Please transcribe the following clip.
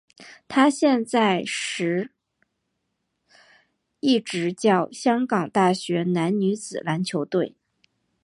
他现时亦执教香港大学男女子篮球队。